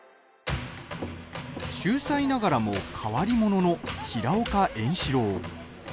秀才ながらも変わり者の平岡円四郎。